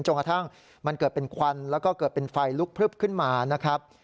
จนกระทั่งมันเกิดเป็นควันแล้วก็เกิดเป็นไฟลุกพลึบขึ้นมานะครับ